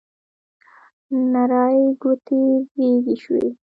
نرۍ ګوتې زیږې شوې